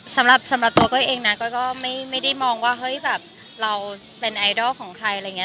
สำหรับตัวเค้าเองนะก็ไม่ได้มองว่าเราเป็นไอดอลของใครอะไรแบบนี้